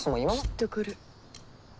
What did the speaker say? きっと来る。